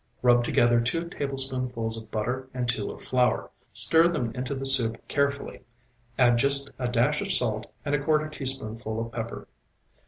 Rub together two tablespoonfuls of butter and two of flour. Stir them into the soup carefully, add just a dash of salt and a quarter teaspoonful of pepper.